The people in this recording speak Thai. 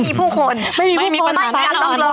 ไม่มีผู้คนไม่มีปัญหาได้ตลอด